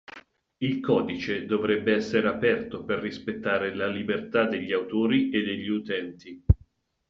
Il codice dovrebbe essere aperto per rispettare la libertà degli autori e degli utenti.